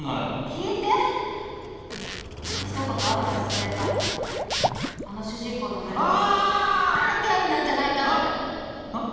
聞いて一言アドバイスくれたあの主人公の群れはあーっ働き蟻なんじゃないかってあっ？